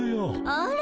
あら。